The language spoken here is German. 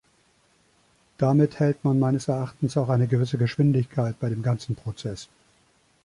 Damit hält man meines Erachtens auch eine gewisse Geschwindigkeit bei dem ganzen Prozess.